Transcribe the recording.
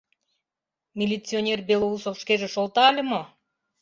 — Милиционер Белоусов шкеже шолта ыле мо?